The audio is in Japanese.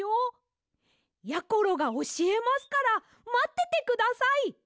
やころがおしえますからまっててください。